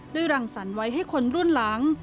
รังสรรค์ไว้ให้คนรุ่นหลัง